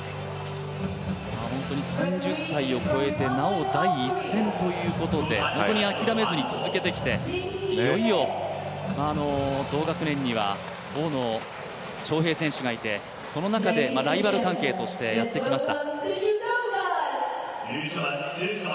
３０歳を超えて、なお第一線ということで、あきらめずに続けてきていよいよ同学年には大野将平選手がいてその中でライバル関係としてやってきました。